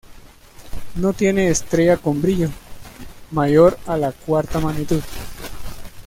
No tiene estrella con brillo mayor a la cuarta magnitud.